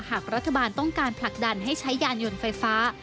หากรัฐบาลต้องการผลักดันให้ใช้ยานยนต์ไฟฟ้า